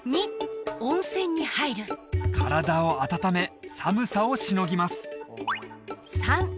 体を温め寒さをしのぎます